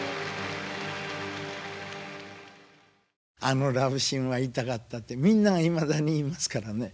「あのラブシーンは痛かった」ってみんながいまだに言いますからね。